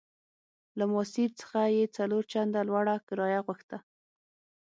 له ماسیر څخه یې څلور چنده لوړه کرایه غوښته.